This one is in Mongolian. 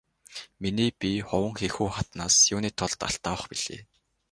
Миний бие Хуванхэхү хатнаас юуны тулд алт авах билээ?